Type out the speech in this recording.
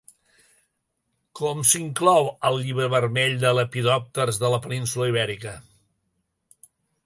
Com s'inclou al Llibre Vermell de Lepidòpters de la península Ibèrica?